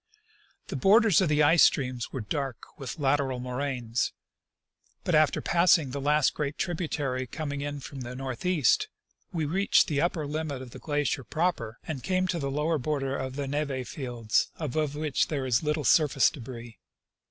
The borders of the ice streams were dark with lateral moraines ; but after passing the last great tributary com ing in from the northeast we reached the upper limit of the glacier proper and came to the lower border of the neve fields, above which there is little surface debris.